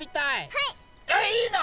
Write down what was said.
はい！えいいの？